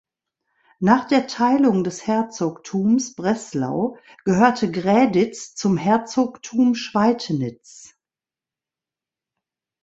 Nach der Teilung des Herzogtums Breslau gehörte Gräditz zum Herzogtum Schweidnitz.